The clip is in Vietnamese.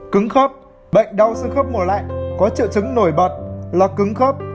cứng khớp bệnh đau xương khớp mùa lạnh có triệu chứng nổi bật là cứng khớp